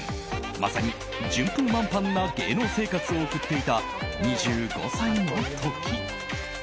まさに順風満帆な芸能生活を送っていた２５歳の時。